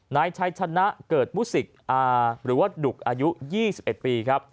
นายชายชนะเกิดมูสิกหรือดุกอายุ๒๑ปี